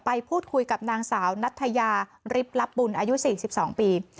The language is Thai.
ไปพูดคุยกับนางสาวนัทยาริบลับบุญอายุ๔๒ปี